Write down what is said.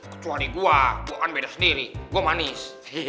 kecuali gue gue kan beda sendiri gue manis